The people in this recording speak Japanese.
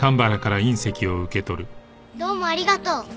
どうもありがとう。